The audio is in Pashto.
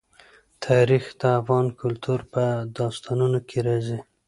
تاریخ د افغان کلتور په داستانونو کې راځي.